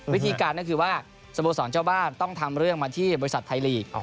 วิธีการก็คือว่าสโมสรเจ้าบ้านต้องทำเรื่องมาที่บริษัทไทยลีก